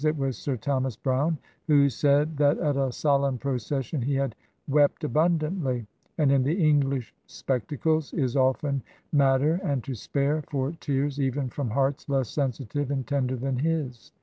It was Sir Thomas Browne who said that at a solemn procession he had "wept abundantly"; and in the English spectacles is often matter and to spare for tears even from hearts less sensitive and tender than his.